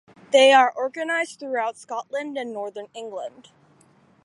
They are organised throughout Scotland and northern England.